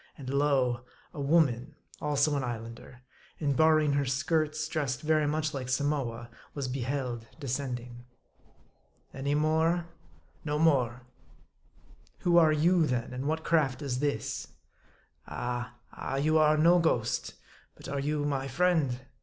And lo ! a woman, also an Islander ; and barring her skirts, dressed very much like Samoa, was beheld descending. " Any more ?"" No more." " Who are you then ; and what craft is this ?" M A R D I. 85 " Ah, ah you are no ghost ; but are you my friend